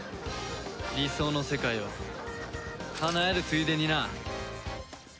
理想の世界をかなえるついでにな。